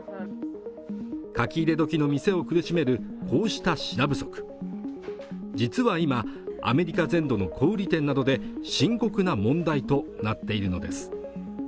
書き入れ時の店を苦しめるこうした品不足実は今アメリカ全土の小売店などで深刻な問題となっているのです